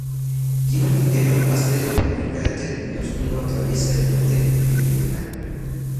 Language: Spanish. Tiene un interior áspero y un cráter minúsculo atraviesa el borde meridional.